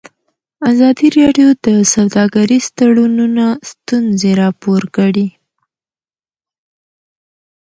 ازادي راډیو د سوداګریز تړونونه ستونزې راپور کړي.